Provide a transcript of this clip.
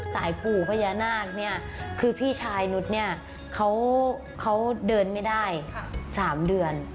สายปู่พญานาคพี่ชายนุษย์เขาเดินไม่ได้๓เดือน